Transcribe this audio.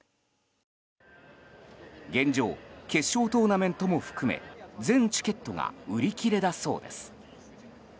現状、決勝トーナメントも含め全チケットが売り切れだそうです。